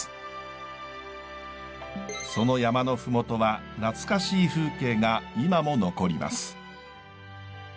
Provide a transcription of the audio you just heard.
その山の麓は懐かしい風景が今も残ります。